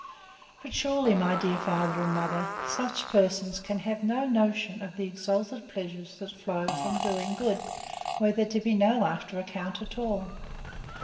But sure, my dear father and mother, such persons can have no notion of the exalted pleasures that flow from doing good, were there to be no after account at all!